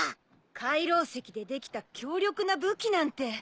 海楼石でできた強力な武器なんて。